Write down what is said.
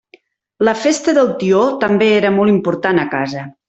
La festa del tió també era molt important a casa.